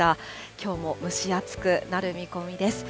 きょうも蒸し暑くなる見込みです。